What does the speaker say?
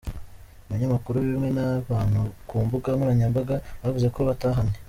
Ibinyamakuru bimwe n’abantu ku mbuga nkoranyambaga bavuze ko batahanye.